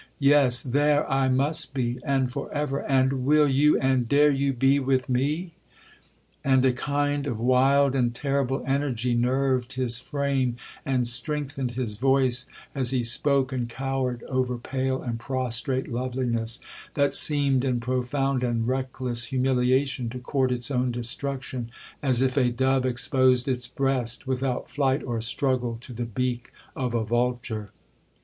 —'Yes!—THERE I must be, and for ever! And will you, and dare you, be with me?' And a kind of wild and terrible energy nerved his frame, and strengthened his voice, as he spoke and cowered over pale and prostrate loveliness, that seemed in profound and reckless humiliation to court its own destruction, as if a dove exposed its breast, without flight or struggle, to the beak of a vulture.